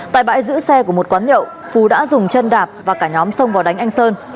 tại bãi giữ xe của một quán nhậu phú đã dùng chân đạp và cả nhóm xông vào đánh anh sơn